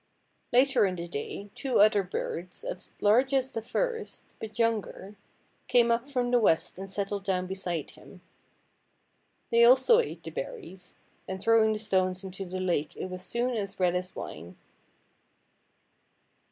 Later in the day, two other birds, as large as the first, but younger, came up from the west and settled down beside him. They also ate the ber ries, and throwing the stones into the lake it was soon as red as wine.